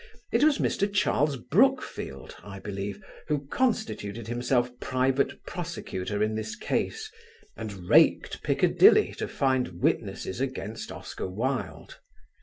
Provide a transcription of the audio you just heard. It was Mr. Charles Brookfield, I believe, who constituted himself private prosecutor in this case and raked Piccadilly to find witnesses against Oscar Wilde.